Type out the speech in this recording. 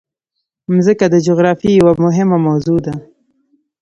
مځکه د جغرافیې یوه مهمه موضوع ده.